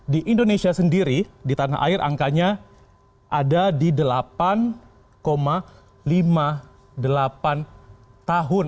di indonesia sendiri di tanah air angkanya ada di delapan lima puluh delapan tahun